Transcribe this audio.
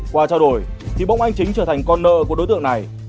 qua trao đổi thì bông anh chính trở thành con nợ của đối tượng này